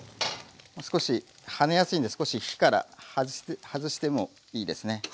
少しはねやすいんで少し火から外してもいいですね。